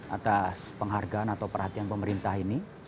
atas penghargaan atau perhatian pemerintah ini